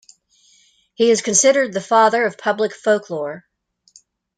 He is considered the Father of Public Folklore.